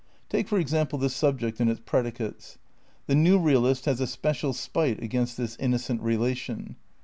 Take, for example, the subject and its predicates. The new realist has a special spite against this iimocent relation.